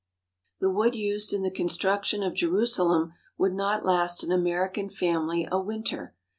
The wood used in the construction of Jerusalem would not last an American family a winter.